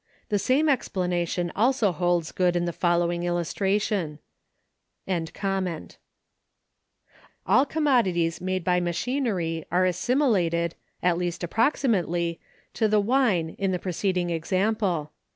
The same explanation also holds good in the following illustration: All commodities made by machinery are assimilated, at least approximately, to the wine in the preceding example.